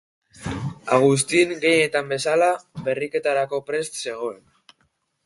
Agustin, gehienetan bezala, berriketarako prest zegoen.